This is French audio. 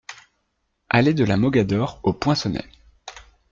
Allée de la Mogador au Poinçonnet